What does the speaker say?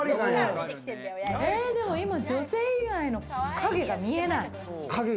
でも女性以外の影が見えない。